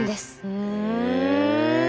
へえ。